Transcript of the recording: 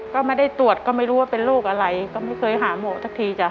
ก็ไม่ได้ตรวจก็ไม่รู้ว่าเป็นโรคอะไรก็ไม่เคยหาหมอสักทีจ้ะ